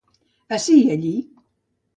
Ací i allí.